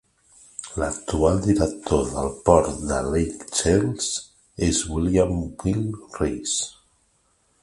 L'actual director del Port de Lake Charles és William "Bill" Rase.